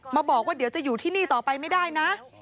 มาบอกว่าเดี๋ยวจะอยู่ที่นี่ต่อไปไม่ได้นะ